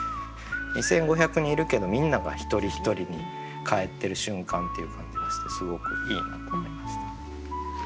２，５００人いるけどみんなが一人一人にかえってる瞬間っていう感じがしてすごくいいなと思いました。